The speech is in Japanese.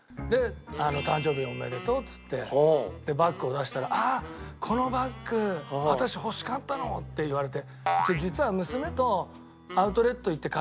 「誕生日おめでとう」っつってバッグを出したら「あっこのバッグ私欲しかったの」って言われて。